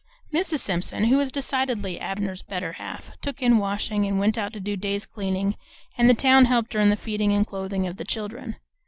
Mrs. Simpson, who was decidedly Abner's better half, took in washing and went out to do days' cleaning, and the town helped in the feeding and clothing of the children.